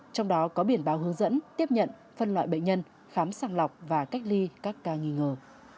trong đó có biển báo hướng dẫn tiếp nhận phân loại bệnh nhân khám sàng lọc và cách ly các ca nghi ngờ